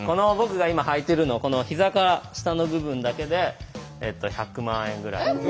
僕が今履いてるのこのひざから下の部分だけで１００万円ぐらい。